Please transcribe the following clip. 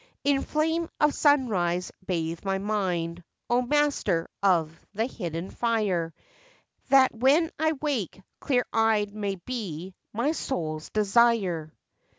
In flame of sunrise bathe my mind, O Master of the Hidden Fire, That when I wake, clear eyed may be My soul's desire."